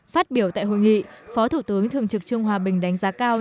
phát biểu tại hội nghị phó thủ tướng thường trực trung hòa bình đánh giá cao những tham mưu